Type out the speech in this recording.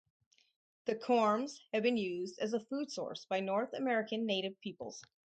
The corms have been used as a food source by North American native peoples.